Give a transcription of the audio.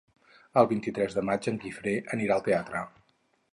El vint-i-tres de maig en Guifré anirà al teatre.